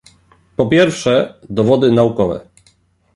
Po pierwsze, dowody naukowe